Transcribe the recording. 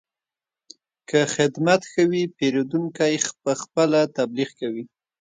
که خدمت ښه وي، پیرودونکی پخپله تبلیغ کوي.